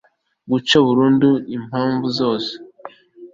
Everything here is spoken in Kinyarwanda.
guca burundu impamvu zose